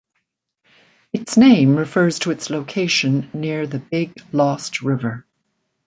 Its name refers to its location near the Big Lost River.